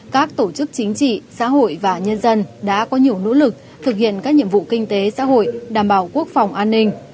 các tổ chức chính trị xã hội và nhân dân đã có nhiều nỗ lực thực hiện các nhiệm vụ kinh tế xã hội đảm bảo quốc phòng an ninh